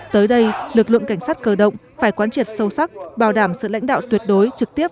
tới đây lực lượng cảnh sát cơ động phải quán triệt sâu sắc bảo đảm sự lãnh đạo tuyệt đối trực tiếp